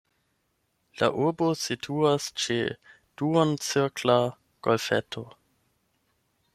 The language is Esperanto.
La urbo situas ĉe duoncirkla golfeto.